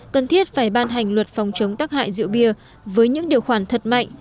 cần thiết phải ban hành luật phòng chống tác hại rượu bia với những điều khoản thật mạnh